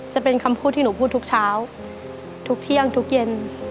จะเป็นคำพูดที่หนูพูดทุกเช้าทุกเที่ยงทุกเย็น